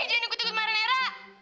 jangan ikut ikut sama aira